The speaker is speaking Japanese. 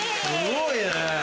すごいね。